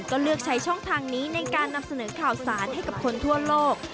ก็เลือกใช้ช่องทางนี้ในการนำเสนอข่าวสารให้กับคนทั่วโลก